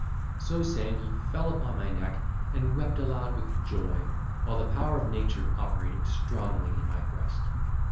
So saying, he fell upon my neck, and wept aloud with joy; while the power of nature operating strongly in my breast.